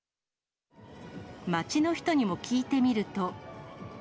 街の人にも聞いてみると。